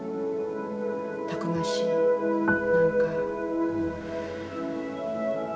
たくましいなんか。